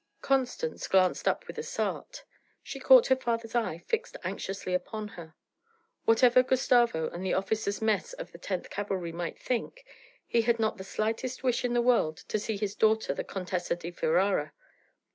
Constance glanced up with a start. She caught her father's eye fixed anxiously upon her; whatever Gustavo and the officers' mess of the tenth cavalry might think, he had not the slightest wish in the world to see his daughter the Contessa di Ferara.